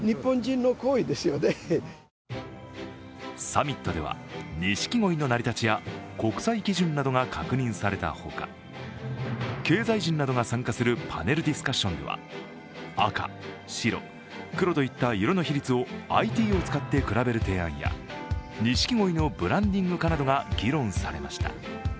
サミットでは錦鯉のなりたちや国際基準などが確認されたほか経済人などが参加するパネルディスカッションでは赤、白、黒といった色の比率をＩＴを使って比べる提案や、錦鯉のブランディング化などが議論されました。